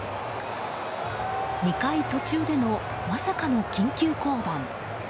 ２回途中でのまさかの緊急降板。